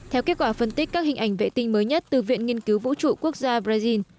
theo kết quả phân tích các hình ảnh vệ tinh mới nhất từ viện nghiên cứu vũ trụ quốc gia brazil